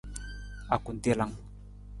Akutelang.